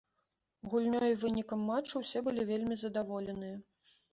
Гульнёй і вынікам матчу ўсе былі вельмі задаволеныя.